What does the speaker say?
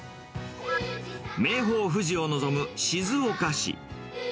名峰富士を望む静岡市。